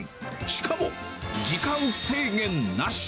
しかも時間制限なし。